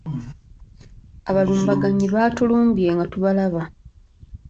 Abalumbaganyi baatulumbye nga tubalaba.